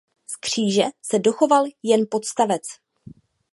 Z kříže se dochoval jen podstavec.